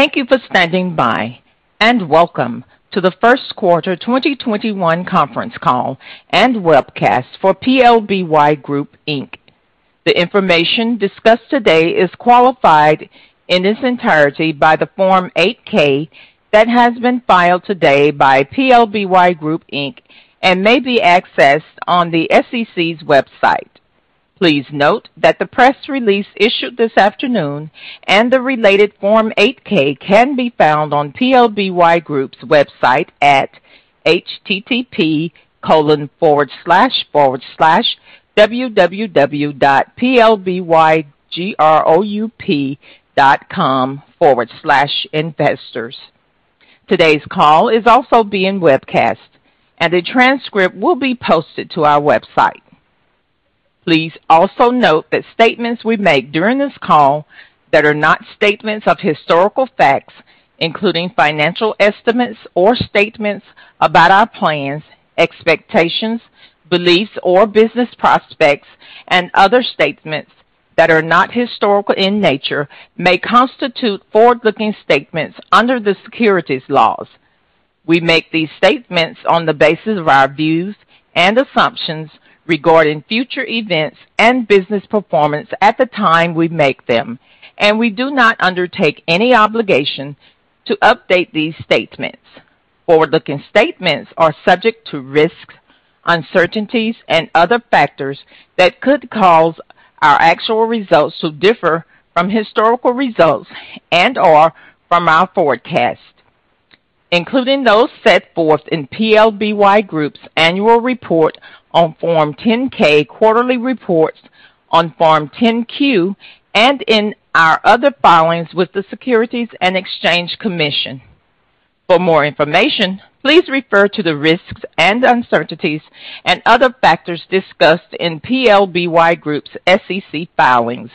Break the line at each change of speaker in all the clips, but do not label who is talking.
Thank you for standing by, and welcome to the first quarter 2021 conference call and webcast for PLBY Group, Inc. The information discussed today is qualified in its entirety by the Form 8-K that has been filed today by PLBY Group, Inc., and may be accessed on the SEC's website. Please note that the press release issued this afternoon and the related Form 8-K can be found on PLBY Group's website at http://www.plbygroup.com/investors. Today's call is also being webcast, and a transcript will be posted to our website. Please also note that statements we make during this call that are not statements of historical facts, including financial estimates or statements about our plans, expectations, beliefs, or business prospects, and other statements that are not historical in nature, may constitute forward-looking statements under the securities laws. We make these statements on the basis of our views and assumptions regarding future events and business performance at the time we make them, and we do not undertake any obligation to update these statements. Forward-looking statements are subject to risks, uncertainties, and other factors that could cause our actual results to differ from historical results and/or from our forecasts, including those set forth in PLBY Group's annual report on Form 10-K, quarterly reports on Form 10-Q, and in our other filings with the Securities and Exchange Commission. For more information, please refer to the risks and uncertainties and other factors discussed in PLBY Group's SEC filings.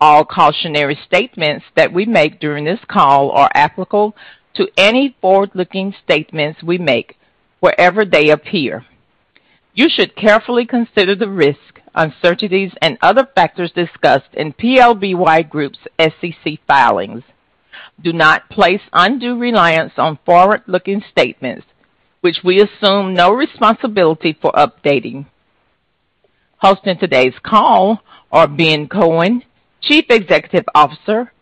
All cautionary statements that we make during this call are applicable to any forward-looking statements we make wherever they appear. You should carefully consider the risks, uncertainties, and other factors discussed in PLBY Group's SEC filings. Do not place undue reliance on forward-looking statements, which we assume no responsibility for updating. Hosting today's call are Ben Kohn, Chief Executive Officer,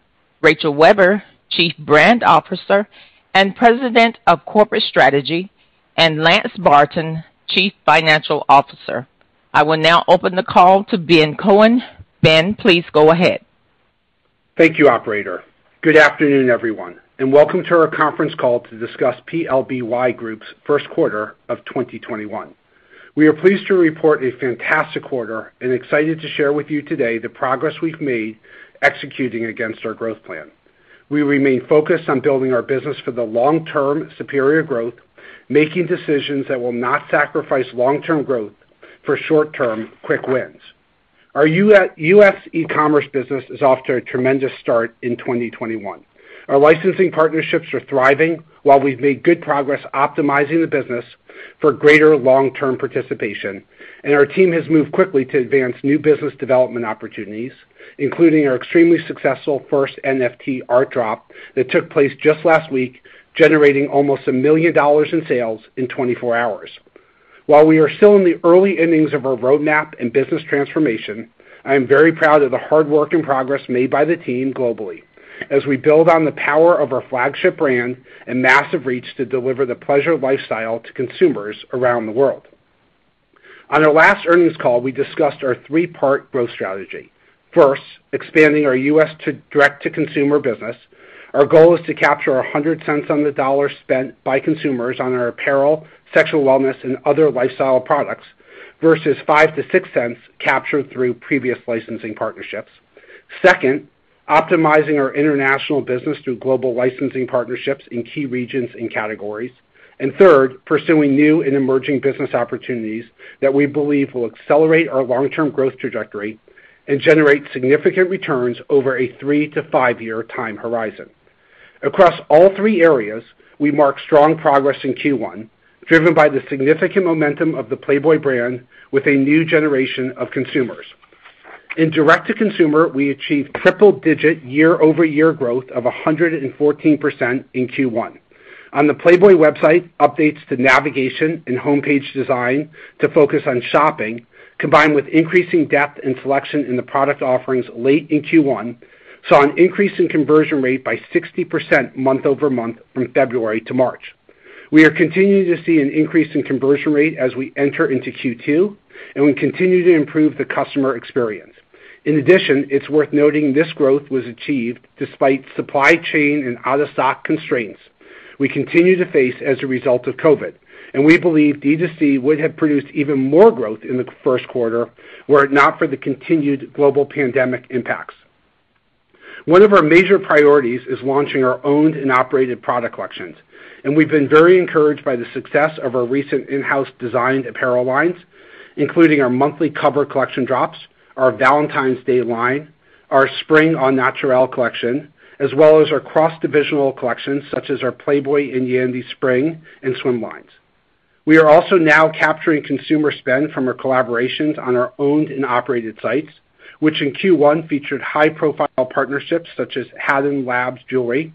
Rachel Webber, Chief Brand Officer and President of Corporate Strategy, and Lance Barton, Chief Financial Officer. I will now open the call to Ben Kohn. Ben, please go ahead.
Thank you, Operator. Good afternoon, everyone, and welcome to our conference call to discuss PLBY Group's first quarter of 2021. We are pleased to report a fantastic quarter and excited to share with you today the progress we've made executing against our growth plan. We remain focused on building our business for the long-term superior growth, making decisions that will not sacrifice long-term growth for short-term quick wins. Our U.S. e-commerce business is off to a tremendous start in 2021. Our licensing partnerships are thriving, while we've made good progress optimizing the business for greater long-term participation. Our team has moved quickly to advance new business development opportunities, including our extremely successful first NFT art drop that took place just last week, generating almost $1 million in sales in 24 hours. While we are still in the early innings of our roadmap and business transformation, I am very proud of the hard work and progress made by the team globally as we build on the power of our flagship brand and massive reach to deliver the Pleasure lifestyle to consumers around the world. On our last earnings call, we discussed our three-part growth strategy. First, expanding our U.S. direct-to-consumer business. Our goal is to capture $1.00 on the dollar spent by consumers on our apparel, sexual wellness, and other lifestyle products versus $0.05-$0.06 captured through previous licensing partnerships. Second, optimizing our international business through global licensing partnerships in key regions and categories. Third, pursuing new and emerging business opportunities that we believe will accelerate our long-term growth trajectory and generate significant returns over a three to five-year time horizon. Across all three areas, we marked strong progress in Q1, driven by the significant momentum of the Playboy brand with a new generation of consumers. In direct-to-consumer, we achieved triple-digit year-over-year growth of 114% in Q1. On the Playboy website, updates to navigation and homepage design to focus on shopping, combined with increasing depth and selection in the product offerings late in Q1, saw an increase in conversion rate by 60% month-over-month from February to March. We are continuing to see an increase in conversion rate as we enter into Q2, and we continue to improve the customer experience. In addition, it's worth noting this growth was achieved despite supply chain and out-of-stock constraints we continue to face as a result of COVID, and we believe D2C would have produced even more growth in the first quarter were it not for the continued global pandemic impacts. One of our major priorities is launching our owned and operated product collections, and we've been very encouraged by the success of our recent in-house designed apparel lines, including our monthly cover collection drops, our Valentine's Day line, our Spring Au Natural collection, as well as our cross-divisional collections such as our Playboy and Yandy spring and swim lines. We are also now capturing consumer spend from our collaborations on our owned and operated sites, which in Q1 featured high-profile partnerships such as Hatton Labs jewelry,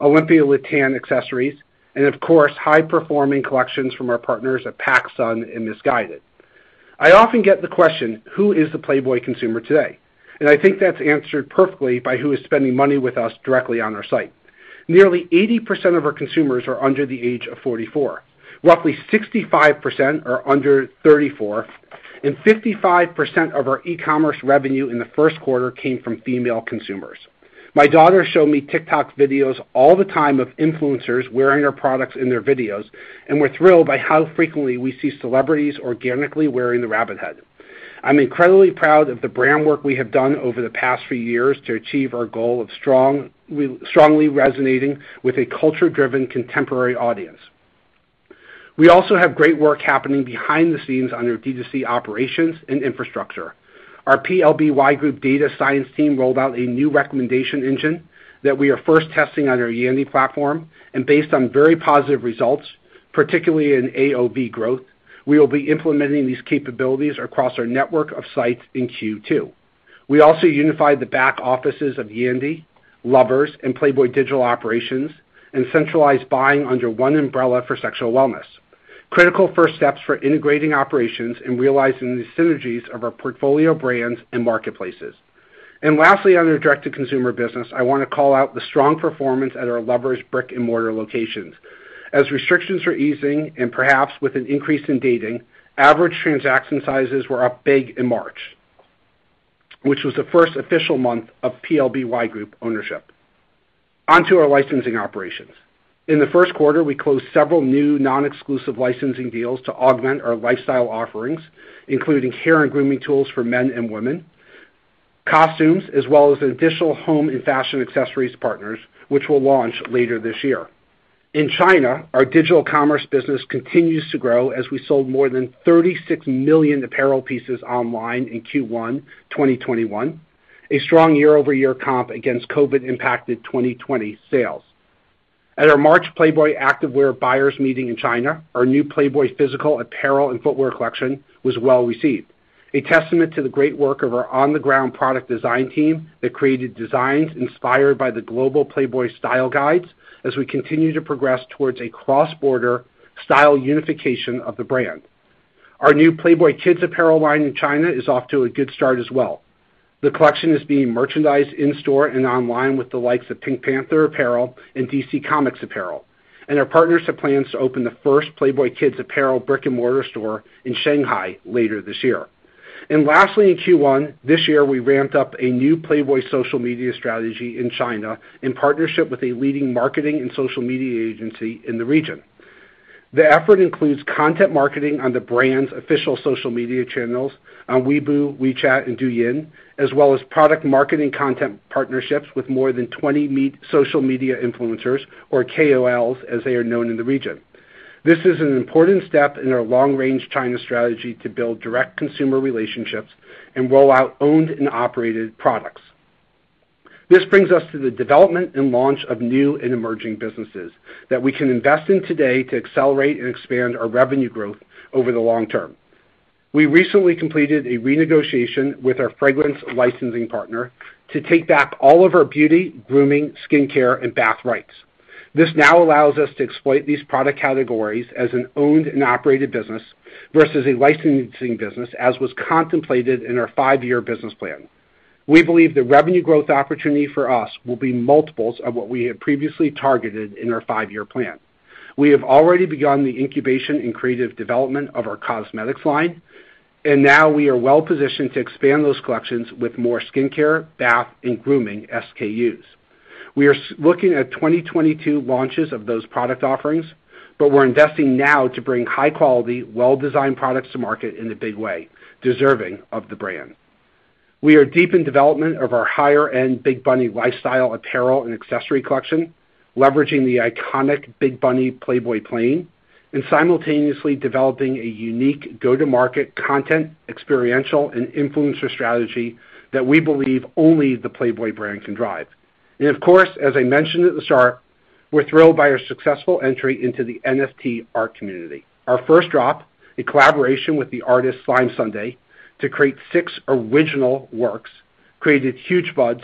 Olympia Le-Tan Accessories, and of course, high-performing collections from our partners at PacSun and Missguided. I often get the question, who is the Playboy consumer today? I think that's answered perfectly by who is spending money with us directly on our site. Nearly 80% of our consumers are under the age of 44. Roughly 65% are under 34, and 55% of our e-commerce revenue in the first quarter came from female consumers. My daughter showed me TikTok videos all the time of influencers wearing our products in their videos, and we're thrilled by how frequently we see celebrities organically wearing the rabbit head. I'm incredibly proud of the brand work we have done over the past few years to achieve our goal of strongly resonating with a culture-driven contemporary audience. We also have great work happening behind the scenes on our D2C operations and infrastructure. Our PLBY Group data science team rolled out a new recommendation engine that we are first testing on our Yandy platform, and based on very positive results, particularly in AOV growth, we will be implementing these capabilities across our network of sites in Q2. We also unified the back offices of Yandy, Lovers, and Playboy digital operations, and centralized buying under one umbrella for sexual wellness. Critical first steps for integrating operations and realizing the synergies of our portfolio brands and marketplaces. Lastly, on our direct-to-consumer business, I want to call out the strong performance at our Lovers brick-and-mortar locations. As restrictions are easing and perhaps with an increase in dating, average transaction sizes were up big in March, which was the first official month of PLBY Group ownership. On to our licensing operations. In the first quarter, we closed several new non-exclusive licensing deals to augment our lifestyle offerings, including hair and grooming tools for men and women, costumes, as well as additional home and fashion accessories partners, which will launch later this year. In China, our digital commerce business continues to grow as we sold more than 36 million apparel pieces online in Q1 2021, a strong year-over-year comp against COVID impacted 2020 sales. At our March Playboy activewear buyers meeting in China, our new Playboy physical apparel and footwear collection was well-received, a testament to the great work of our on-the-ground product design team that created designs inspired by the global Playboy style guides as we continue to progress towards a cross-border style unification of the brand. Our new Playboy Kids apparel line in China is off to a good start as well. The collection is being merchandised in-store and online with the likes of Pink Panther apparel and DC Comics apparel, and our partners have plans to open the first Playboy Kids apparel brick-and-mortar store in Shanghai later this year. Lastly, in Q1 this year, we ramped up a new Playboy social media strategy in China in partnership with a leading marketing and social media agency in the region. The effort includes content marketing on the brand's official social media channels on Weibo, WeChat, and Douyin, as well as product marketing content partnerships with more than 20 social media influencers, or KOLs, as they are known in the region. This is an important step in our long-range China strategy to build direct consumer relationships and roll out owned and operated products. This brings us to the development and launch of new and emerging businesses that we can invest in today to accelerate and expand our revenue growth over the long term. We recently completed a renegotiation with our fragrance licensing partner to take back all of our beauty, grooming, skincare, and bath rights. This now allows us to exploit these product categories as an owned and operated business versus a licensing business, as was contemplated in our five-year business plan. We believe the revenue growth opportunity for us will be multiples of what we had previously targeted in our five-year plan. We have already begun the incubation and creative development of our cosmetics line, and now we are well positioned to expand those collections with more skincare, bath, and grooming SKUs. We are looking at 2022 launches of those product offerings, but we're investing now to bring high quality, well-designed products to market in a big way, deserving of the brand. We are deep in development of our higher-end Big Bunny lifestyle apparel and accessory collection, leveraging the iconic Big Bunny Playboy plane, and simultaneously developing a unique go-to-market content, experiential, and influencer strategy that we believe only the Playboy brand can drive. Of course, as I mentioned at the start, we're thrilled by our successful entry into the NFT art community. Our first drop, a collaboration with the artist Slimesunday to create six original works, created huge buzz,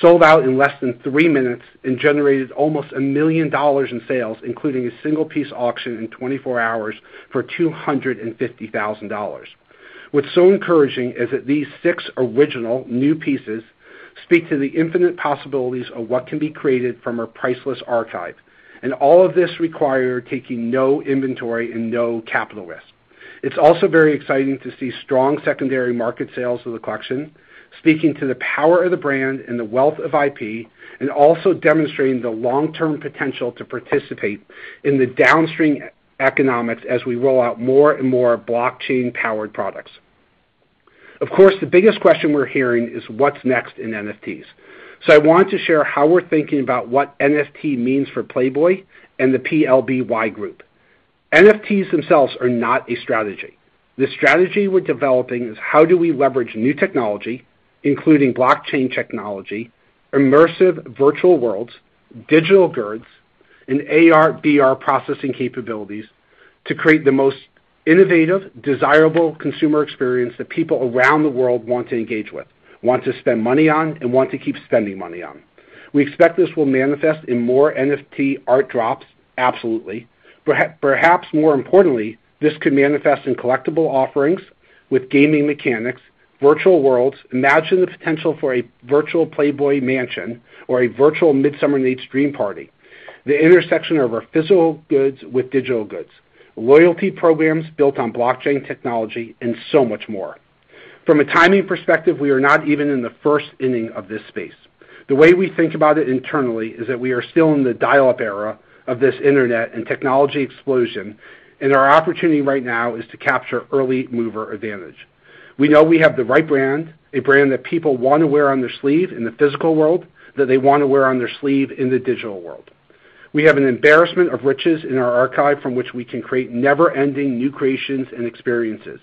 sold out in less than three minutes, and generated almost $1 million in sales, including a single-piece auction in 24 hours for $250,000. What's so encouraging is that these six original new pieces speak to the infinite possibilities of what can be created from our priceless archive. All of this required taking no inventory and no capital risk. It's also very exciting to see strong secondary market sales of the collection, speaking to the power of the brand and the wealth of IP, and also demonstrating the long-term potential to participate in the downstream economics as we roll out more and more blockchain-powered products. Of course, the biggest question we're hearing is what's next in NFTs. I want to share how we're thinking about what NFT means for Playboy and the PLBY Group. NFTs themselves are not a strategy. The strategy we're developing is how do we leverage new technology, including blockchain technology, immersive virtual worlds, digital goods, and AR/VR processing capabilities to create the most innovative, desirable consumer experience that people around the world want to engage with, want to spend money on, and want to keep spending money on. We expect this will manifest in more NFT art drops, absolutely. Perhaps more importantly, this could manifest in collectible offerings with gaming mechanics, virtual worlds. Imagine the potential for a virtual Playboy Mansion or a virtual Midsummer Night's Dream party. The intersection of our physical goods with digital goods, loyalty programs built on blockchain technology, and so much more. From a timing perspective, we are not even in the first inning of this space. The way we think about it internally is that we are still in the dial-up era of this internet and technology explosion, and our opportunity right now is to capture early mover advantage. We know we have the right brand, a brand that people want to wear on their sleeve in the physical world, that they want to wear on their sleeve in the digital world. We have an embarrassment of riches in our archive from which we can create never-ending new creations and experiences,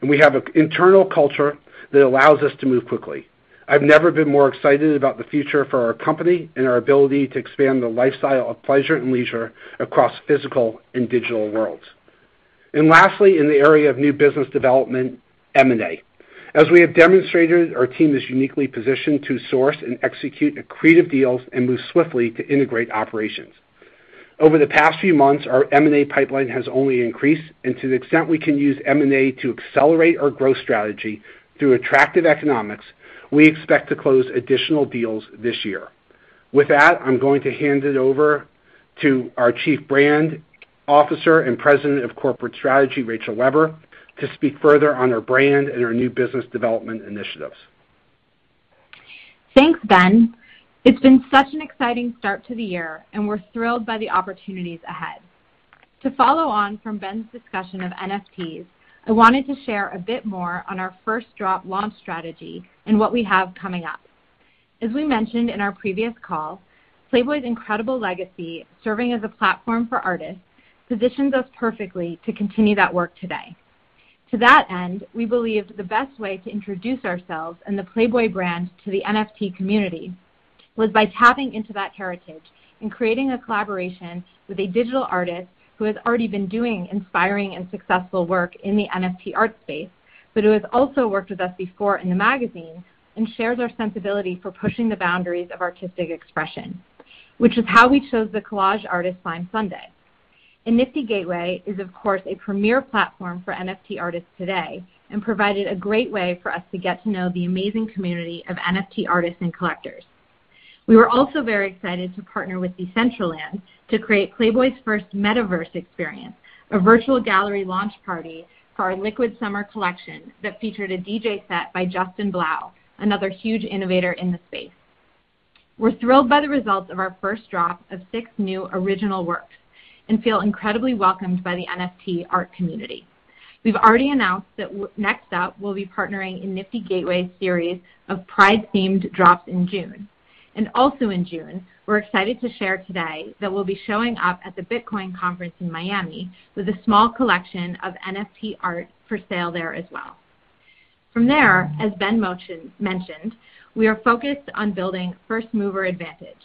and we have an internal culture that allows us to move quickly. I've never been more excited about the future for our company and our ability to expand the lifestyle of pleasure and leisure across physical and digital worlds. Lastly, in the area of new business development, M&A. As we have demonstrated, our team is uniquely positioned to source and execute accretive deals and move swiftly to integrate operations. Over the past few months, our M&A pipeline has only increased, and to the extent we can use M&A to accelerate our growth strategy through attractive economics, we expect to close additional deals this year. With that, I'm going to hand it over to our Chief Brand Officer and President of Corporate Strategy, Rachel Webber, to speak further on our brand and our new business development initiatives.
Thanks, Ben. It's been such an exciting start to the year, and we're thrilled by the opportunities ahead. To follow on from Ben's discussion of NFTs, I wanted to share a bit more on our first drop launch strategy and what we have coming up. As we mentioned in our previous call, Playboy's incredible legacy, serving as a platform for artists, positions us perfectly to continue that work today. To that end, we believe the best way to introduce ourselves and the Playboy brand to the NFT community was by tapping into that heritage and creating a collaboration with a digital artist who has already been doing inspiring and successful work in the NFT art space, but who has also worked with us before in the magazine and shares our sensibility for pushing the boundaries of artistic expression, which is how we chose the collage artist, Slimesunday. Nifty Gateway is, of course, a premier platform for NFT artists today and provided a great way for us to get to know the amazing community of NFT artists and collectors. We were also very excited to partner with Decentraland to create Playboy's first metaverse experience, a virtual gallery launch party for our Liquid Summer collection that featured a DJ set by Justin Blau, another huge innovator in the space. We're thrilled by the results of our first drop of six new original works and feel incredibly welcomed by the NFT art community. We've already announced that next up we'll be partnering in Nifty Gateway series of Pride themed drops in June. Also in June, we're excited to share today that we'll be showing up at the Bitcoin conference in Miami with a small collection of NFT art for sale there as well. From there, as Ben mentioned, we are focused on building first mover advantage.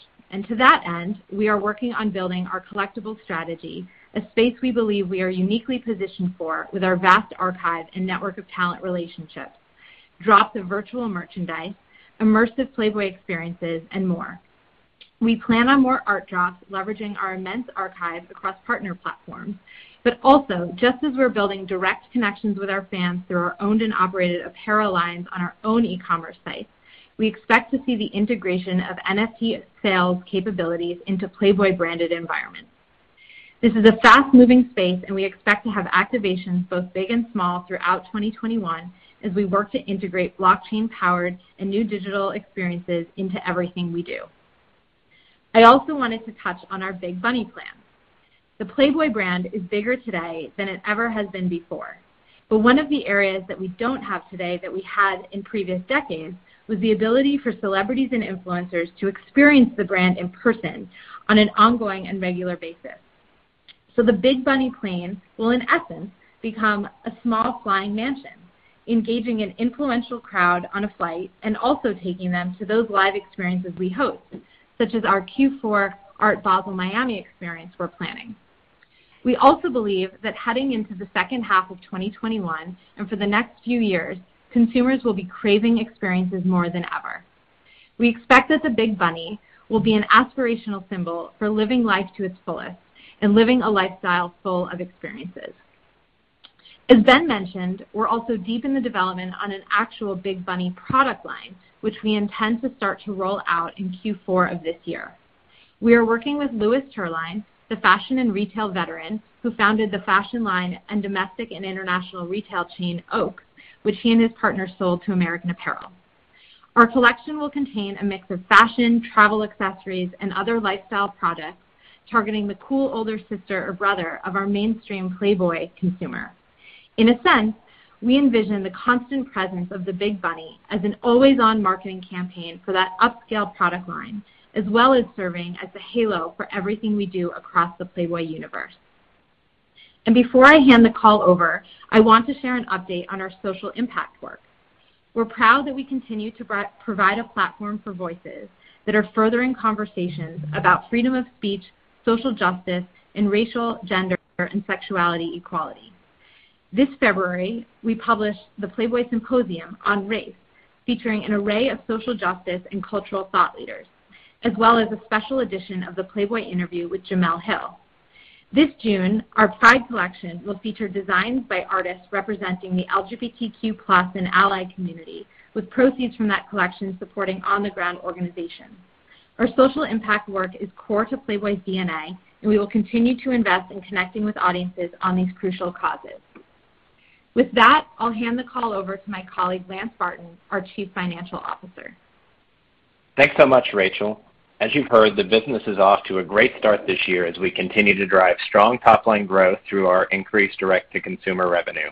To that end, we are working on building our collectible strategy, a space we believe we are uniquely positioned for with our vast archive and network of talent relationships, drops of virtual merchandise, immersive Playboy experiences, and more. We plan on more art drops leveraging our immense archive across partner platforms, but also just as we're building direct connections with our fans through our owned and operated apparel lines on our own e-commerce site, we expect to see the integration of NFT sales capabilities into Playboy branded environments. This is a fast-moving space and we expect to have activations both big and small throughout 2021 as we work to integrate blockchain powered and new digital experiences into everything we do. I also wanted to touch on our Big Bunny plans. The Playboy brand is bigger today than it ever has been before. One of the areas that we don't have today that we had in previous decades was the ability for celebrities and influencers to experience the brand in person on an ongoing and regular basis. The Big Bunny plane will in essence become a small flying mansion, engaging an influential crowd on a flight and also taking them to those live experiences we host, such as our Q4 Art Basel Miami experience we're planning. We also believe that heading into the second half of 2021, and for the next few years, consumers will be craving experiences more than ever. We expect that the Big Bunny will be an aspirational symbol for living life to its fullest and living a lifestyle full of experiences. As Ben mentioned, we're also deep in the development on an actual Big Bunny product line, which we intend to start to roll out in Q4 of this year. We are working with Louis Terline, the fashion and retail veteran who founded the fashion line and domestic and international retail chain, Oak, which he and his partner sold to American Apparel. Our collection will contain a mix of fashion, travel accessories, and other lifestyle products targeting the cool older sister or brother of our mainstream Playboy consumer. In a sense, we envision the constant presence of the Big Bunny as an always-on marketing campaign for that upscale product line, as well as serving as the halo for everything we do across the Playboy universe. Before I hand the call over, I want to share an update on our social impact work. We're proud that we continue to provide a platform for voices that are furthering conversations about freedom of speech, social justice, and racial, gender, and sexuality equality. This February, we published the Playboy Symposium on Race, featuring an array of social justice and cultural thought leaders, as well as a special edition of the Playboy interview with Jemele Hill. This June, our Pride collection will feature designs by artists representing the LGBTQ+ and ally community, with proceeds from that collection supporting on-the-ground organizations. Our social impact work is core to Playboy's DNA, and we will continue to invest in connecting with audiences on these crucial causes. With that, I'll hand the call over to my colleague, Lance Barton, our Chief Financial Officer.
Thanks so much, Rachel. As you've heard, the business is off to a great start this year as we continue to drive strong top-line growth through our increased direct-to-consumer revenue.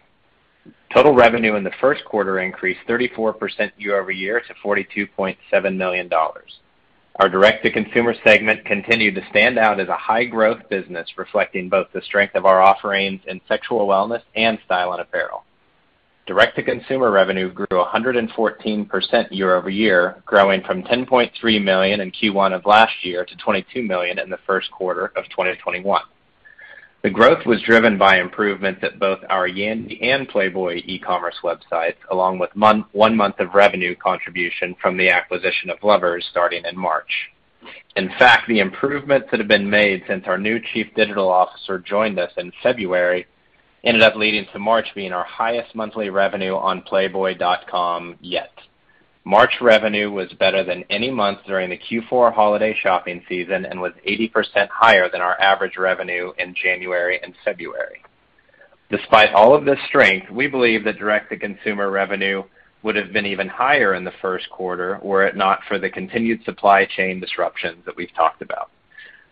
Total revenue in the first quarter increased 34% year-over-year to $42.7 million. Our direct-to-consumer segment continued to stand out as a high-growth business, reflecting both the strength of our offerings in sexual wellness and style and apparel. Direct-to-consumer revenue grew 114% year-over-year, growing from $10.3 million in Q1 of last year to $22 million in the first quarter of 2021. The growth was driven by improvements at both our Yandy and Playboy e-commerce websites, along with one month of revenue contribution from the acquisition of Lovers starting in March. In fact, the improvements that have been made since our new Chief Digital Officer joined us in February ended up leading to March being our highest monthly revenue on playboy.com yet. March revenue was better than any month during the Q4 holiday shopping season and was 80% higher than our average revenue in January and February. Despite all of this strength, we believe that direct-to-consumer revenue would have been even higher in the first quarter were it not for the continued supply chain disruptions that we've talked about.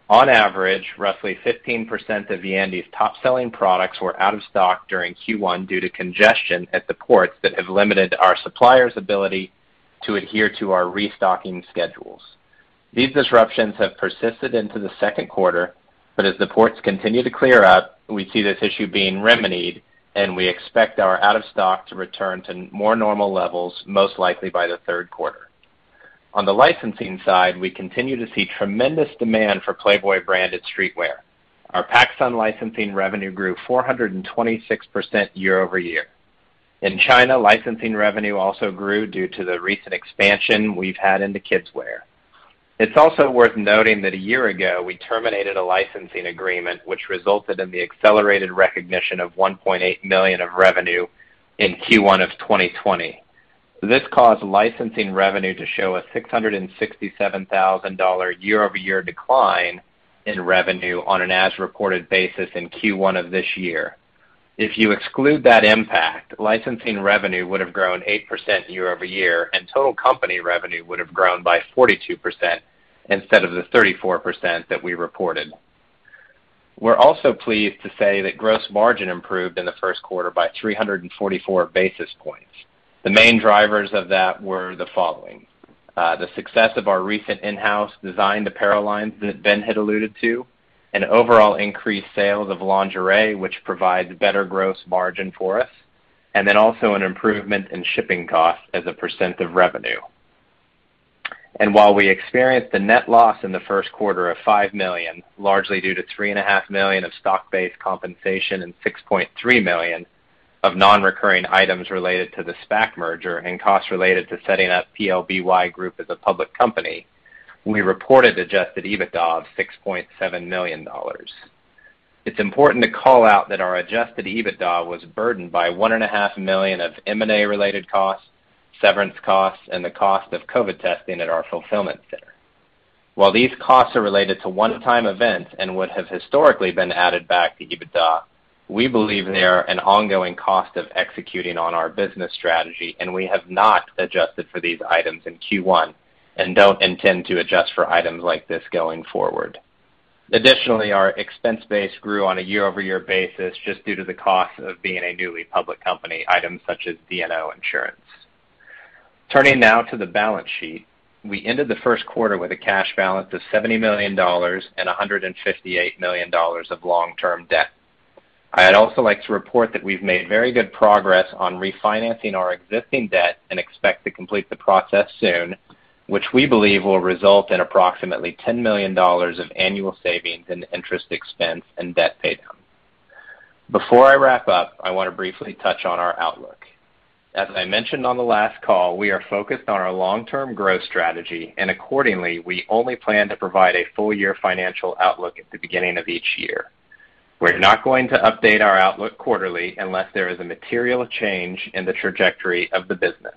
On average, roughly 15% of Yandy's top selling products were out of stock during Q1 due to congestion at the ports that have limited our suppliers' ability to adhere to our restocking schedules. These disruptions have persisted into the second quarter. As the ports continue to clear up, we see this issue being remedied, and we expect our out of stock to return to more normal levels, most likely by the third quarter. On the licensing side, we continue to see tremendous demand for Playboy branded streetwear. Our PacSun licensing revenue grew 426% year-over-year. In China, licensing revenue also grew due to the recent expansion we've had into kidswear. It's also worth noting that a year ago, we terminated a licensing agreement, which resulted in the accelerated recognition of $1.8 million of revenue in Q1 2020. This caused licensing revenue to show a $667,000 year-over-year decline in revenue on an as-reported basis in Q1 of this year. If you exclude that impact, licensing revenue would have grown 8% year-over-year, and total company revenue would have grown by 42% instead of the 34% that we reported. We're also pleased to say that gross margin improved in the first quarter by 344 basis points. The main drivers of that were the following: the success of our recent in-house designed apparel lines that Ben had alluded to, an overall increased sales of lingerie, which provides better gross margin for us, and then also an improvement in shipping costs as a percentage of revenue. While we experienced a net loss in the first quarter of $5 million, largely due to $3.5 million of stock-based compensation and $6.3 million of non-recurring items related to the SPAC merger and costs related to setting up PLBY Group as a public company, we reported Adjusted EBITDA of $6.7 million. It's important to call out that our adjusted EBITDA was burdened by $1.5 million of M&A related costs, severance costs, and the cost of COVID testing at our fulfillment center. While these costs are related to one-time events and would have historically been added back to EBITDA, we believe they are an ongoing cost of executing on our business strategy, and we have not adjusted for these items in Q1 and don't intend to adjust for items like this going forward. Additionally, our expense base grew on a year-over-year basis just due to the cost of being a newly public company, items such as D&O insurance. Turning now to the balance sheet. We ended the first quarter with a cash balance of $70 million and $158 million of long-term debt. I'd also like to report that we've made very good progress on refinancing our existing debt and expect to complete the process soon, which we believe will result in approximately $10 million of annual savings in interest expense and debt pay. Before I wrap up, I want to briefly touch on our outlook. As I mentioned on the last call, we are focused on our long-term growth strategy. Accordingly, we only plan to provide a full year financial outlook at the beginning of each year. We're not going to update our outlook quarterly unless there is a material change in the trajectory of the business.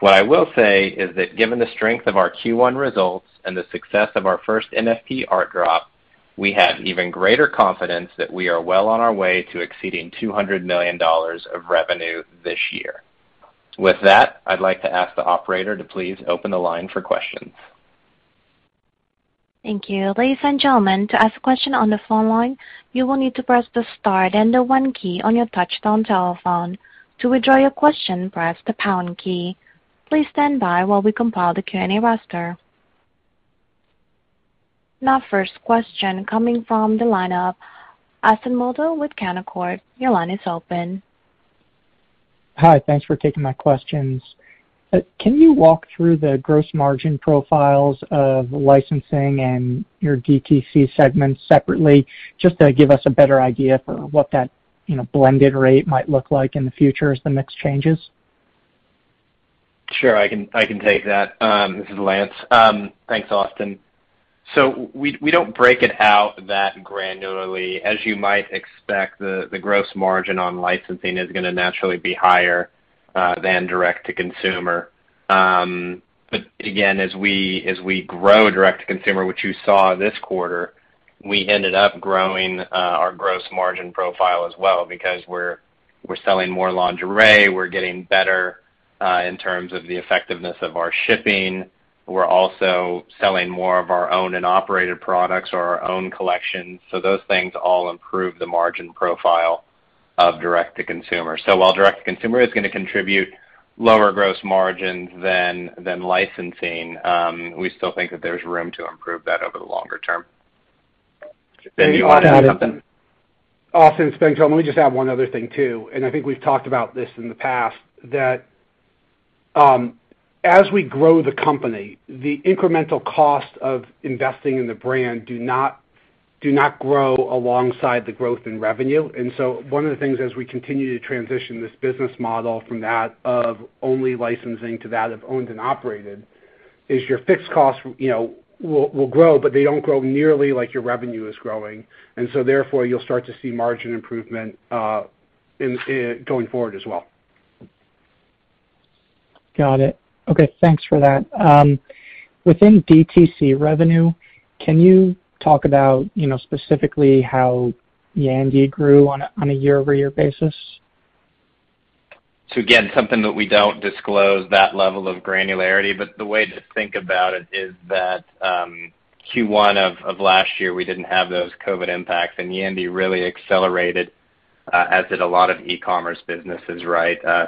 What I will say is that given the strength of our Q1 results and the success of our first NFT art drop, we have even greater confidence that we are well on our way to exceeding $200 million of revenue this year. With that, I'd like to ask the Operator to please open the line for questions.
Thank you. Ladies and gentlemen, to ask a question on the phone line, you will need to press the star then the one key on your touchtone telephone. To withdraw your question, press the pound key. Please stand by while we compile the Q&A roster. First question coming from the lineup, Austin Moldow with Canaccord. Your line is open.
Hi, thanks for taking my questions. Can you walk through the gross margin profiles of licensing and your DTC segments separately, just to give us a better idea for what that blended rate might look like in the future as the mix changes?
Sure. I can take that. This is Lance. Thanks, Austin. We don't break it out that granularly. As you might expect, the gross margin on licensing is going to naturally be higher than direct-to-consumer. Again, as we grow direct-to-consumer, which you saw this quarter, we ended up growing our gross margin profile as well because we're selling more lingerie, we're getting better in terms of the effectiveness of our shipping. We're also selling more of our owned and operated products or our own collections. Those things all improve the margin profile of direct-to-consumer. While direct-to-consumer is going to contribute lower gross margins than licensing, we still think that there's room to improve that over the longer term. Ben, do you want to add something?
Austin, it's Ben Kohn. Let me just add one other thing too, and I think we've talked about this in the past, that as we grow the company, the incremental cost of investing in the brand do not grow alongside the growth in revenue. One of the things as we continue to transition this business model from that of only licensing to that of owned and operated is your fixed costs will grow, but they don't grow nearly like your revenue is growing. Therefore you'll start to see margin improvement going forward as well.
Got it. Okay, thanks for that. Within DTC revenue, can you talk about specifically how Yandy grew on a year-over-year basis?
Again, something that we don't disclose that level of granularity, but the way to think about it is that Q1 of last year, we didn't have those COVID impacts, and Yandy really accelerated, as did a lot of e-commerce businesses,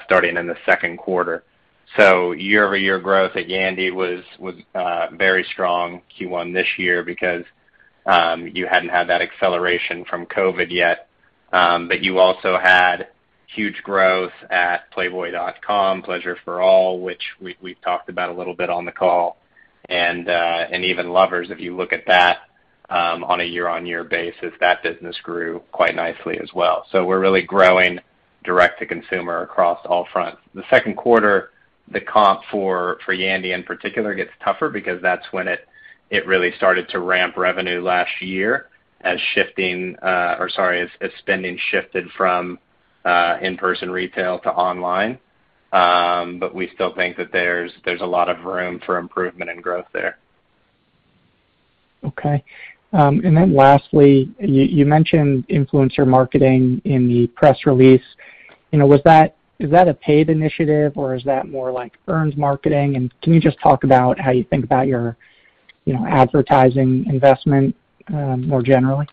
starting in the second quarter. Year-over-year growth at Yandy was very strong Q1 this year because you hadn't had that acceleration from COVID yet. You also had huge growth at playboy.com, Pleasure for All, which we've talked about a little bit on the call, and even Lovers, if you look at that on a year-on-year basis, that business grew quite nicely as well. We're really growing direct-to-consumer across all fronts. The second quarter, the comparison for Yandy in particular gets tougher because that's when it really started to ramp revenue last year as spending shifted from in-person retail to online. We still think that there's a lot of room for improvement and growth there.
Okay. Lastly, you mentioned influencer marketing in the press release. Is that a paid initiative or is that more like earned marketing? Can you just talk about how you think about your advertising investment more generally?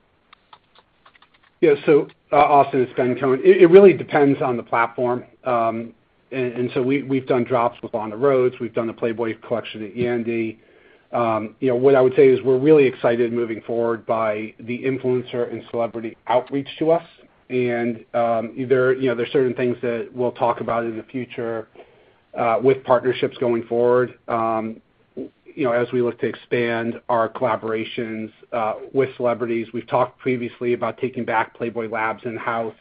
Yeah. Austin, it's Ben Kohn. It really depends on the platform. We've done drops with On The Roads, we've done the Playboy collection at Yandy. What I would say is we're really excited moving forward by the influencer and celebrity outreach to us. There are certain things that we'll talk about in the future, with partnerships going forward, as we look to expand our collaborations with celebrities. We've talked previously about taking back Playboy Labs in-house,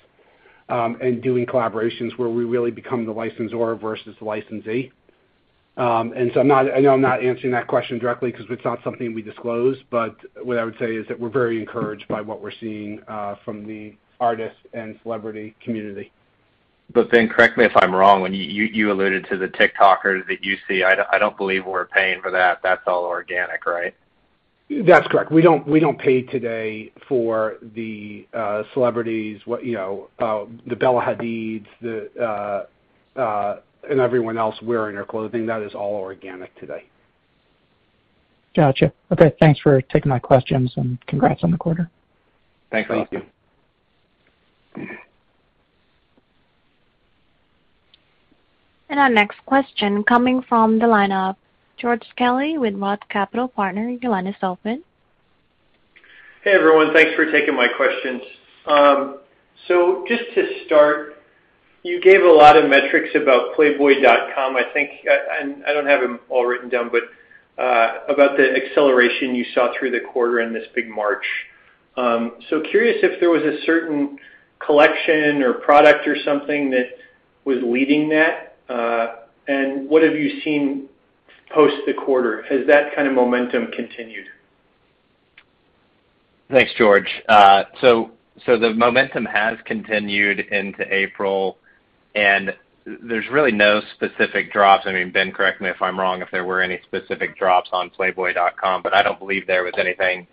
and doing collaborations where we really become the licensor versus the licensee. I know I'm not answering that question directly because it's not something we disclose, but what I would say is that we're very encouraged by what we're seeing from the artists and celebrity community.
Ben, correct me if I'm wrong, when you alluded to the TikTokers that you see, I don't believe we're paying for that. That's all organic, right?
That's correct. We don't pay today for the celebrities, the Bella Hadid, and everyone else wearing our clothing. That is all organic today.
Got you. Okay, thanks for taking my questions and congrats on the quarter.
Thanks, Austin.
Thank you.
Our next question coming from the lineup, George Kelly with ROTH Capital Partners. Your line is open.
Hey, everyone. Thanks for taking my questions. Just to start, you gave a lot of metrics about playboy.com, I think, and I don't have them all written down, but about the acceleration you saw through the quarter and this big March. Curious if there was a certain collection or product or something that was leading that. What have you seen post the quarter? Has that kind of momentum continued?
Thanks, George. The momentum has continued into April, and there's really no specific drops. Ben, correct me if I'm wrong, if there were any specific drops on playboy.com, but I don't believe there was anything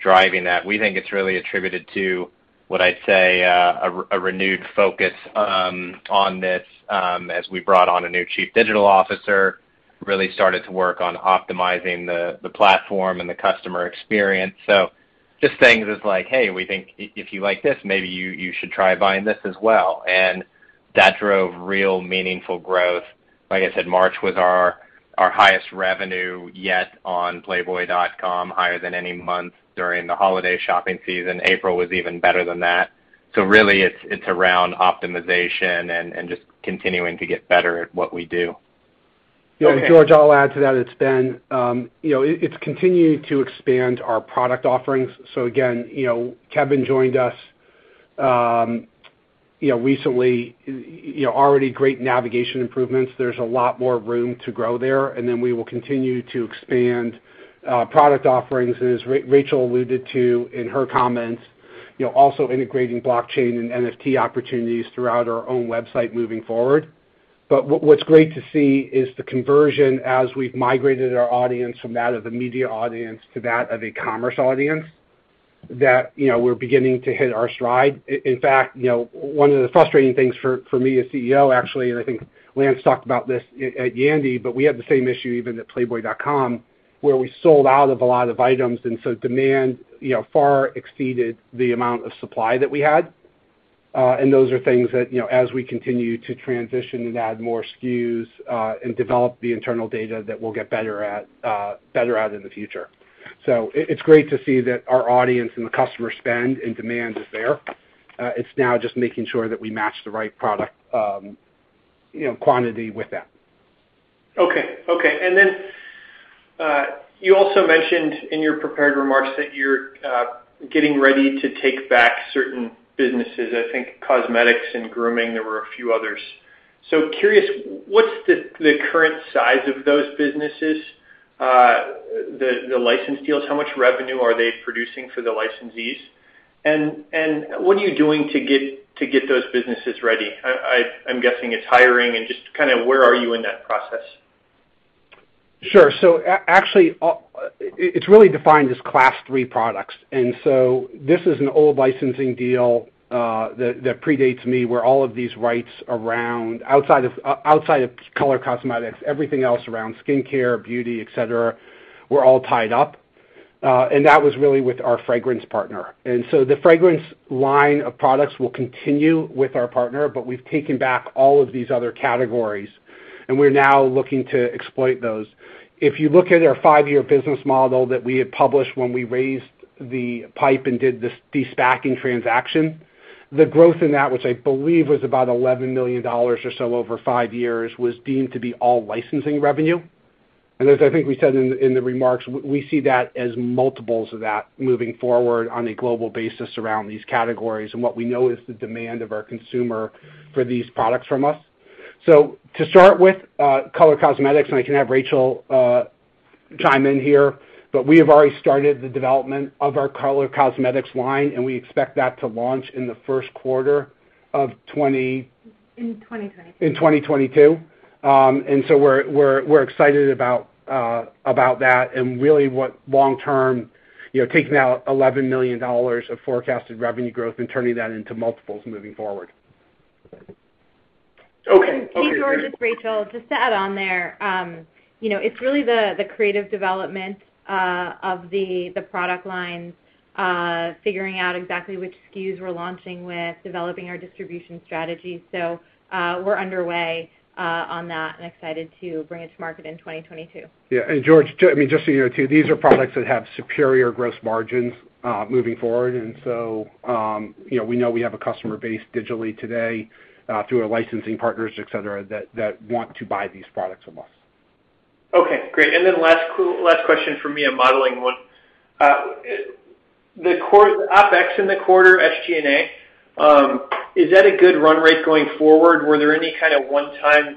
driving that. We think it's really attributed to, what I'd say, a renewed focus on this as we brought on a new chief digital officer, really started to work on optimizing the platform and the customer experience. Just saying things like, "Hey, we think if you like this, maybe you should try buying this as well." That drove real meaningful growth. Like I said, March was our highest revenue yet on playboy.com, higher than any month during the holiday shopping season. April was even better than that. Really, it's around optimization and just continuing to get better at what we do.
Yeah. George, I'll add to that. It's continuing to expand our product offerings. Again, Kevin joined us recently. Already great navigation improvements. There's a lot more room to grow there. We will continue to expand product offerings, as Rachel alluded to in her comments. Also integrating blockchain and NFT opportunities throughout our own website moving forward. What's great to see is the conversion as we've migrated our audience from that of a media audience to that of a commerce audience, that we're beginning to hit our stride. In fact, one of the frustrating things for me as CEO, actually, I think Lance talked about this at Yandy. We had the same issue even at playboy.com, where we sold out of a lot of items. Demand far exceeded the amount of supply that we had. Those are things that, as we continue to transition and add more SKUs, and develop the internal data, that we'll get better at in the future. It's great to see that our audience and the customer spend and demand is there. It's now just making sure that we match the right product quantity with that.
Okay. You also mentioned in your prepared remarks that you're getting ready to take back certain businesses, I think cosmetics and grooming. There were a few others. Curious, what's the current size of those businesses, the license deals? How much revenue are they producing for the licensees? What are you doing to get those businesses ready? I'm guessing it's hiring, and just where are you in that process?
Sure. Actually, it's really defined as Class 3 products. This is an old licensing deal that predates me, where all of these rights around, outside of color cosmetics, everything else around skincare, beauty, et cetera, were all tied up. That was really with our fragrance partner. The fragrance line of products will continue with our partner, but we've taken back all of these other categories, and we're now looking to exploit those. If you look at our five-year business model that we had published when we raised the PIPE and did this de-SPACing transaction, the growth in that, which I believe was about $11 million or so over five years, was deemed to be all licensing revenue. As I think we said in the remarks, we see that as multiples of that moving forward on a global basis around these categories and what we know is the demand of our consumer for these products from us. To start with color cosmetics, and I can have Rachel chime in here, but we have already started the development of our color cosmetics line, and we expect that to launch in the first quarter of 20?
In 2022.
In 2022. We're excited about that, taking out $11 million of forecasted revenue growth and turning that into multiples moving forward.
Okay.
George, it's Rachel. Just to add on there, it's really the creative development of the product lines, figuring out exactly which SKUs we're launching with, developing our distribution strategy. We're underway on that and excited to bring it to market in 2022.
Yeah. George, just so you know, too, these are products that have superior gross margins moving forward. We know we have a customer base digitally today, through our licensing partners, et cetera, that want to buy these products from us.
Okay, great. Last question from me, a modeling one. The OpEx in the quarter, SG&A, is that a good run rate going forward? Were there any kind of one-time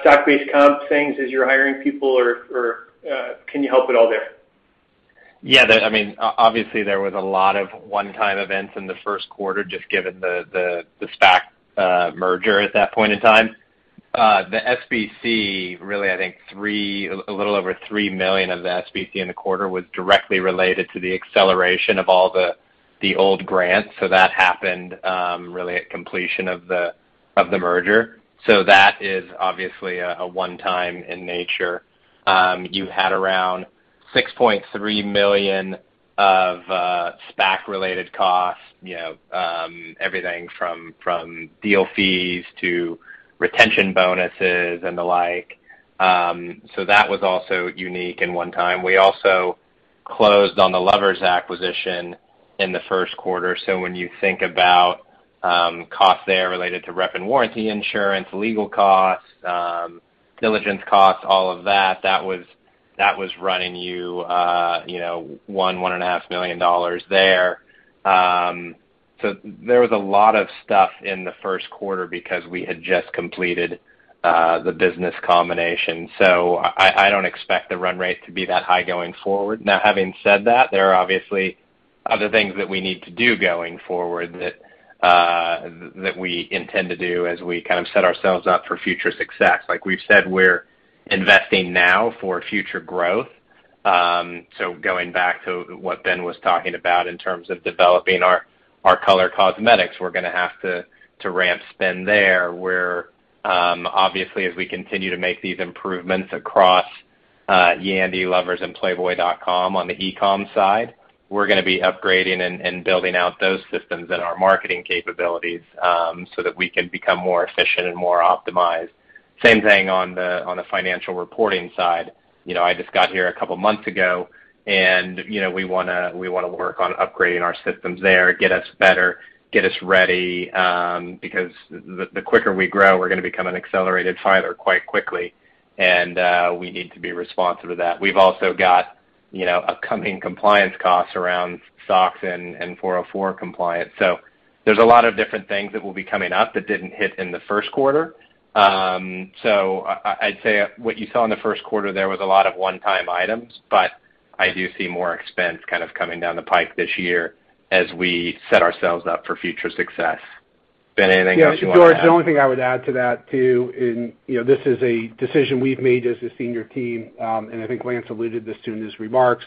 stock-based comp things as you're hiring people or can you help at all there?
Yeah. Obviously, there was a lot of one-time events in the first quarter, just given the SPAC merger at that point in time. The SBC, really, I think, a little over $3 million of the SBC in the quarter was directly related to the acceleration of all the old grants. That happened really at completion of the merger. That is obviously a one-time in nature. You had around $6.3 million of SPAC-related costs, everything from deal fees to retention bonuses and the like. That was also unique and one time. We also closed on the Lovers acquisition in the first quarter, when you think about costs there related to rep and warranty insurance, legal costs, diligence costs, all of that was running you $1 million, $1.5 million there. There was a lot of stuff in the first quarter because we had just completed the business combination. I don't expect the run rate to be that high going forward. Now, having said that, there are obviously other things that we need to do going forward that we intend to do as we kind of set ourselves up for future success. Like we've said, we're investing now for future growth. Going back to what Ben was talking about in terms of developing our color cosmetics, we're going to have to ramp spend there. Obviously, as we continue to make these improvements across Yandy, Lovers, and playboy.com on the e-commerce side, we're going to be upgrading and building out those systems and our marketing capabilities so that we can become more efficient and more optimized. Same thing on the financial reporting side. I just got here a couple of months ago, we want to work on upgrading our systems there, get us better, get us ready, because the quicker we grow, we're going to become an accelerated filer quite quickly, and we need to be responsive to that. We've also got upcoming compliance costs around SOX and 404 compliance. There's a lot of different things that will be coming up that didn't hit in the first quarter. I'd say what you saw in the first quarter there was a lot of one-time items, but I do see more expense kind of coming down the pike this year as we set ourselves up for future success. Ben, anything else you want to add?
Yeah, George, the only thing I would add to that, too, this is a decision we've made as a senior team, and I think Lance alluded this to in his remarks,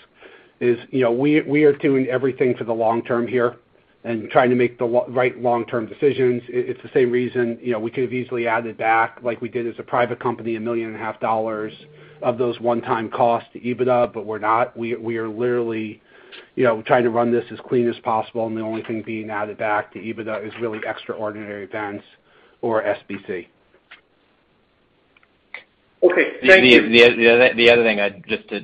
is we are doing everything for the long term here and trying to make the right long-term decisions. It's the same reason we could have easily added back, like we did as a private company, a $1.5 million of those one-time costs to EBITDA, we're not. We are literally trying to run this as clean as possible, the only thing being added back to EBITDA is really extraordinary events or SBC.
Okay. Thank you.
The other thing just to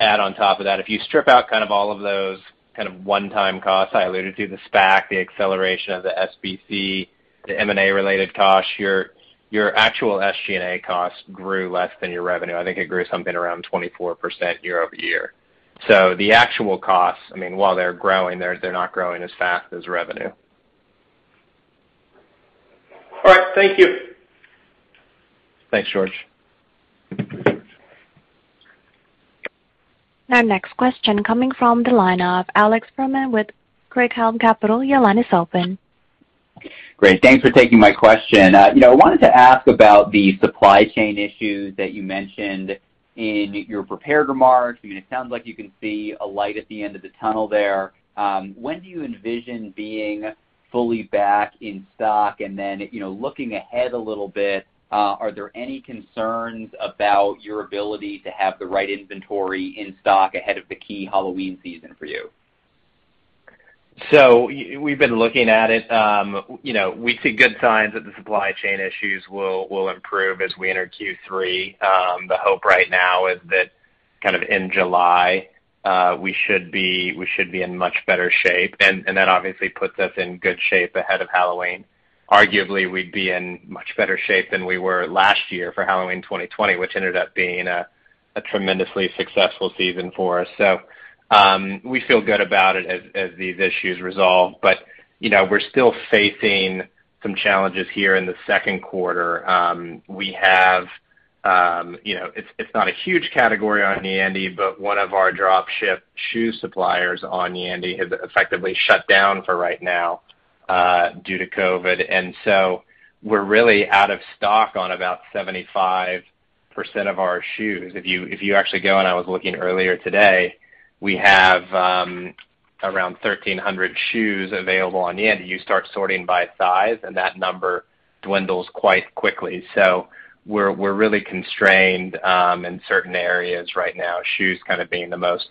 add on top of that, if you strip out all of those one-time costs I alluded to, the SPAC, the acceleration of the SBC, the M&A-related costs, your actual SG&A costs grew less than your revenue. I think it grew something around 24% year-over-year. The actual costs, while they're growing, they're not growing as fast as revenue.
All right. Thank you.
Thanks, George.
Our next question coming from the line of Alex Fuhrman with Craig-Hallum Capital. Your line is open.
Great. Thanks for taking my question. I wanted to ask about the supply chain issues that you mentioned in your prepared remarks. It sounds like you can see a light at the end of the tunnel there. When do you envision being fully back in stock? Looking ahead a little bit, are there any concerns about your ability to have the right inventory in stock ahead of the key Halloween season for you?
We've been looking at it. We see good signs that the supply chain issues will improve as we enter Q3. The hope right now is that in July, we should be in much better shape, and that obviously puts us in good shape ahead of Halloween. Arguably, we'd be in much better shape than we were last year for Halloween 2020, which ended up being a tremendously successful season for us. We feel good about it as these issues resolve. We're still facing some challenges here in the second quarter. It's not a huge category on Yandy, but one of our drop ship shoe suppliers on Yandy has effectively shut down for right now due to COVID, and so we're really out of stock on about 75% of our shoes. If you actually go, and I was looking earlier today, we have around 1,300 shoes available on Yandy. You start sorting by size, that number dwindles quite quickly. We're really constrained in certain areas right now, shoes kind of being the most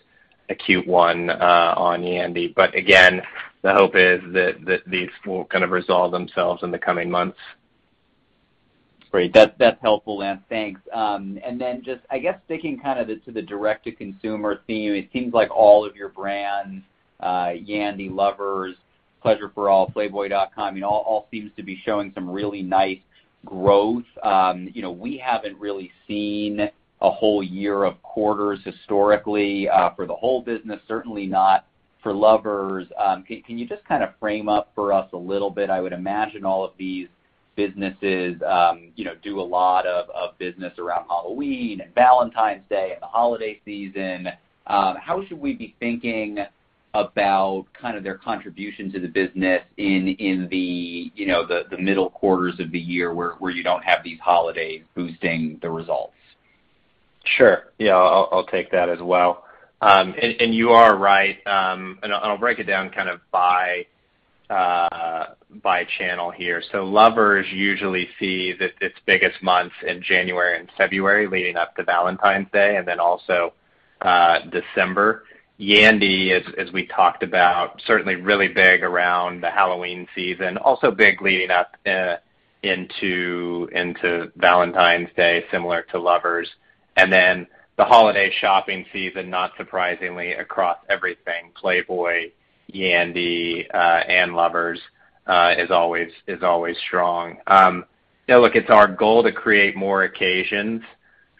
acute one on Yandy. Again, the hope is that these will resolve themselves in the coming months.
Great. That's helpful, Lance. Thanks. Then just, I guess sticking to the direct-to-consumer theme, it seems like all of your brands, Yandy, Lovers, Pleasure for All, playboy.com, all seems to be showing some really nice growth. We haven't really seen a whole year of quarters historically for the whole business, certainly not for Lovers. Can you just frame up for us a little bit? I would imagine all of these businesses do a lot of business around Halloween and Valentine's Day and the holiday season. How should we be thinking about their contribution to the business in the middle quarters of the year where you don't have these holidays boosting the results?
Sure. Yeah, I'll take that as well. You are right, I'll break it down by channel here. Lovers usually sees its biggest months in January and February leading up to Valentine's Day, then also December. Yandy, as we talked about, certainly really big around the Halloween season, also big leading up into Valentine's Day, similar to Lovers. Then the holiday shopping season, not surprisingly, across everything, Playboy, Yandy, and Lovers is always strong. Look, it's our goal to create more occasions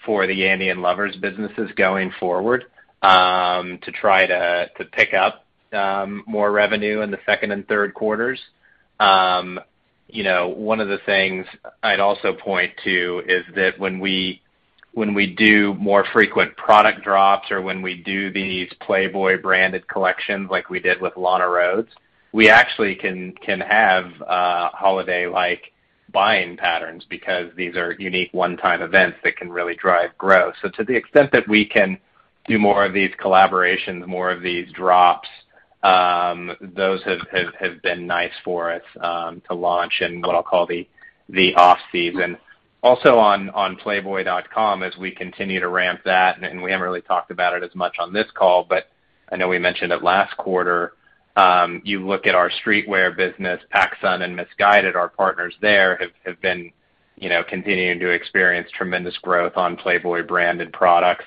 for the Yandy and Lovers businesses going forward to try to pick up more revenue in the second and third quarters. One of the things I'd also point to is that when we do more frequent product drops or when we do these Playboy-branded collections like we did with Lana Rhoades, we actually can have holiday-like buying patterns because these are unique one-time events that can really drive growth. To the extent that we can do more of these collaborations, more of these drops. Those have been nice for us to launch in what I'll call the off-season. Also on playboy.com, as we continue to ramp that, and we haven't really talked about it as much on this call, but I know we mentioned it last quarter. You look at our streetwear business, PacSun and Missguided, our partners there, have been continuing to experience tremendous growth on Playboy-branded products.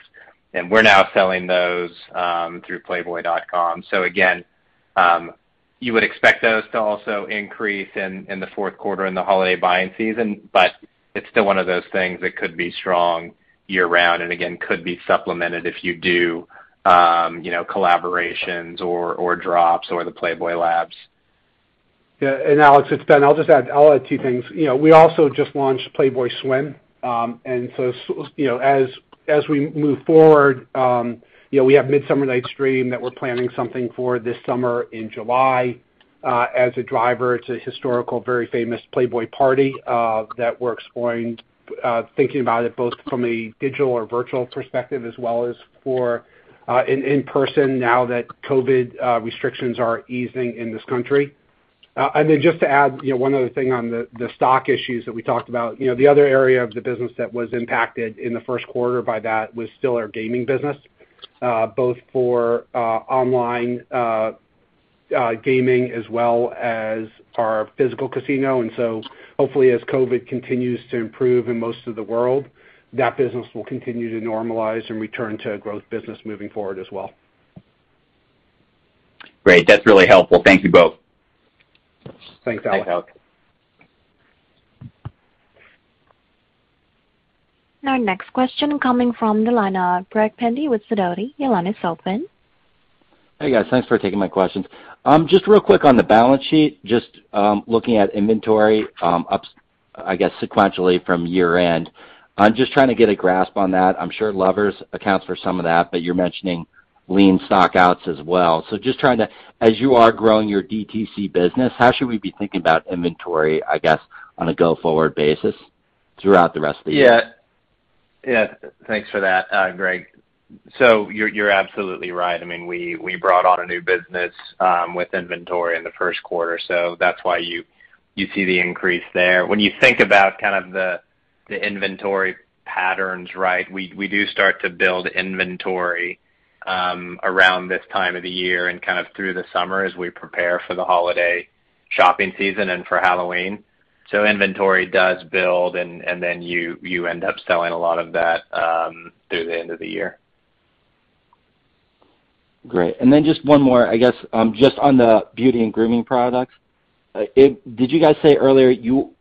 We're now selling those through playboy.com. You would expect those to also increase in the fourth quarter in the holiday buying season, but it's still one of those things that could be strong year-round, and again, could be supplemented if you do collaborations or drops or the Playboy Labs.
Alex, it's Ben. I'll add two things. We also just launched Playboy Swim. As we move forward, we have Midsummer Night's Dream that we're planning something for this summer in July. As a driver, it's a historical, very famous Playboy party that we're exploring, thinking about it both from a digital or virtual perspective, as well as for an in-person now that COVID restrictions are easing in this country. Just to add one other thing on the stock issues that we talked about. The other area of the business that was impacted in the first quarter by that was still our gaming business, both for online gaming as well as our physical casino. Hopefully as COVID continues to improve in most of the world, that business will continue to normalize and return to a growth business moving forward as well.
Great. That's really helpful. Thank you both.
Thanks, Alex.
Bye, Alex.
Our next question coming from the line of Greg Pendy with Sidoti. Your line is open.
Hey, guys. Thanks for taking my questions. Just real quick on the balance sheet, just looking at inventory, I guess sequentially from year-end. I'm just trying to get a grasp on that. I'm sure Lovers accounts for some of that, but you're mentioning lean stock-outs as well. Just trying to, as you are growing your DTC business, how should we be thinking about inventory, I guess, on a go-forward basis throughout the rest of the year?
Yeah. Thanks for that, Greg. You're absolutely right. We brought on a new business with inventory in the first quarter, so that's why you see the increase there. When you think about the inventory patterns, we do start to build inventory around this time of the year and kind of through the summer as we prepare for the holiday shopping season and for Halloween. Inventory does build, and then you end up selling a lot of that through the end of the year.
Great. Just one more, I guess, just on the beauty and grooming products, did you guys say earlier,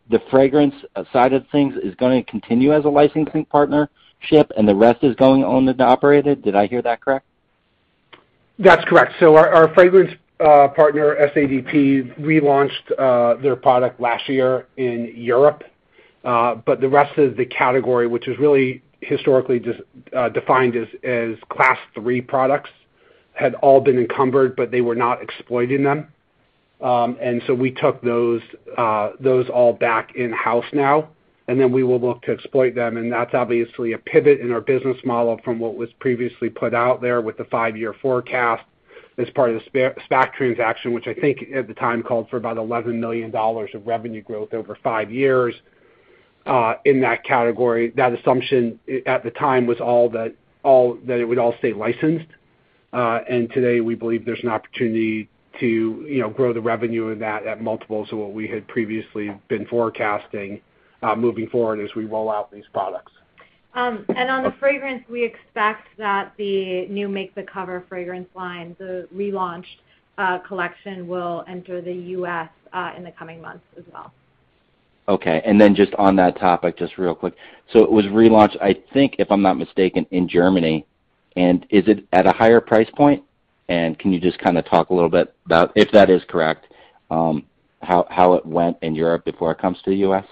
the fragrance side of things is going to continue as a licensing partnership and the rest is going owned and operated? Did I hear that correct?
That's correct. Our fragrance partner, SADP, relaunched their product last year in Europe. The rest of the category, which was really historically just defined as Class 3 products, had all been encumbered, but they were not exploiting them. We took those all back in-house now, then we will look to exploit them. That's obviously a pivot in our business model from what was previously put out there with the five-year forecast as part of the SPAC transaction, which I think at the time called for about $11 million of revenue growth over five years in that category. That assumption, at the time, was that it would all stay licensed. Today, we believe there's an opportunity to grow the revenue in that at multiples of what we had previously been forecasting moving forward as we roll out these products.
On the fragrance, we expect that the new Make the Cover fragrance line, the relaunched collection, will enter the U.S. in the coming months as well.
Okay. Just on that topic, just real quick. It was relaunched, I think, if I'm not mistaken, in Germany. Is it at a higher price point? Can you just kind of talk a little bit about, if that is correct, how it went in Europe before it comes to the U.S.?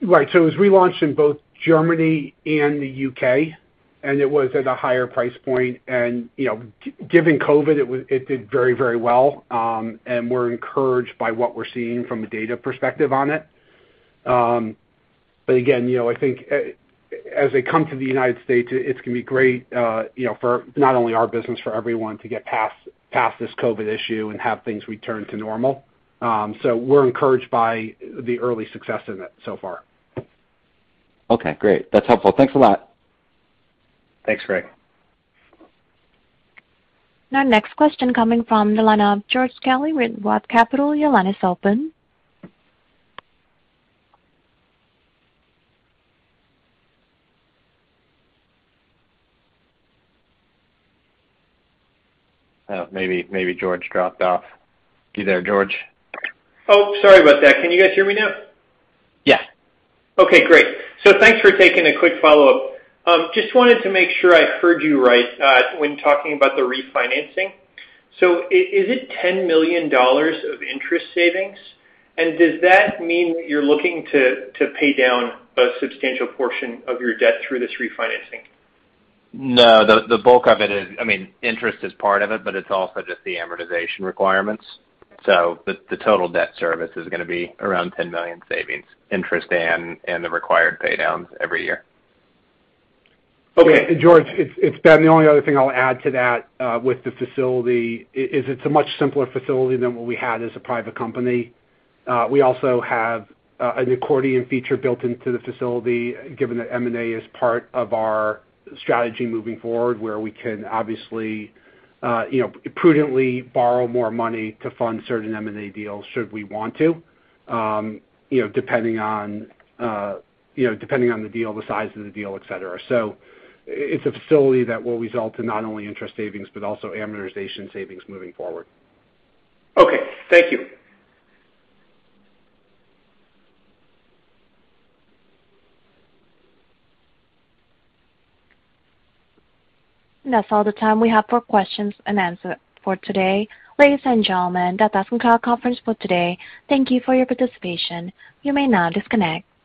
Right. It was relaunched in both Germany and the U.K., and it was at a higher price point. Given COVID, it did very well, and we're encouraged by what we're seeing from a data perspective on it. Again, I think as they come to the United States, it's going to be great, for not only our business, for everyone to get past this COVID issue and have things return to normal. We're encouraged by the early success in it so far.
Okay, great. That's helpful. Thanks a lot.
Thanks, Greg.
Our next question coming from the line of George Kelly with ROTH Capital. Your line is open.
Maybe George dropped off. You there, George?
Oh, sorry about that. Can you guys hear me now?
Yeah.
Okay, great. Thanks for taking a quick follow-up. Just wanted to make sure I heard you right, when talking about the refinancing. Is it $10 million of interest savings? Does that mean you're looking to pay down a substantial portion of your debt through this refinancing?
The bulk of it is, interest is part of it, but it's also just the amortization requirements. The total debt service is going to be around $10 million savings, interest, and the required paydowns every year.
Okay.
George, it's Ben. The only other thing I'll add to that with the facility is it's a much simpler facility than what we had as a private company. We also have an accordion feature built into the facility, given that M&A is part of our strategy moving forward, where we can obviously prudently borrow more money to fund certain M&A deals should we want to, depending on the deal, the size of the deal, et cetera. It's a facility that will result in not only interest savings, but also amortization savings moving forward.
Okay. Thank you.
That's all the time we have for questions and answer for today. Ladies and gentlemen, that does conclude our conference for today. Thank you for your participation. You may now disconnect.